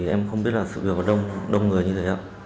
em không biết là sự việc có đông người như thế